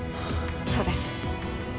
そうです